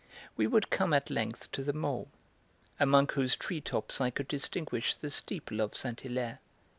We would come at length to the Mall, among whose treetops I could distinguish the steeple of Saint Hilaire.